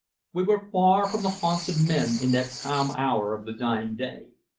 We were far from the haunts of men in that calm hour of the dying day.